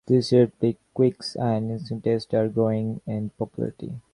These relatively quick and inexpensive tests are growing in popularity.